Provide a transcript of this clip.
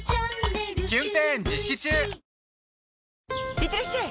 いってらっしゃい！